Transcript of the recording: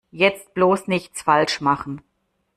Jetzt bloß nichts falsch machen!